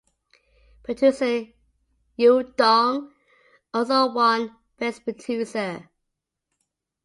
Producer Yu Dong also won Best Producer.